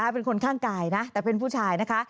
เป็นคนข้างกายนะแต่เป็นผู้ชายนะคะ